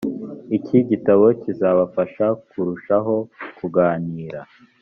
iki gitabo kizabafasha kurushaho kuganira .